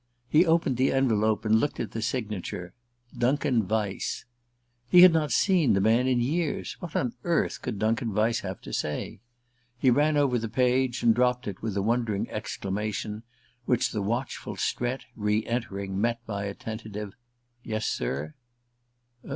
He opened the envelope and looked at the signature: Duncan Vyse. He had not seen the name in years what on earth could Duncan Vyse have to say? He ran over the page and dropped it with a wondering exclamation, which the watchful Strett, re entering, met by a tentative "Yes, sir?"